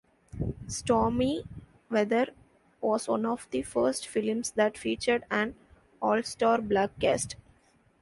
Stormy Weather was one of the first films that featured an all-star black cast.